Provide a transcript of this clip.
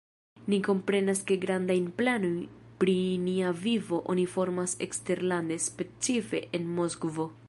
Ni komprenas ke grandajn planojn pri nia vivo oni formas eksterlande, specife en Moskvo.